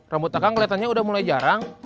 rambut akag kelihatannya udah mulai jarang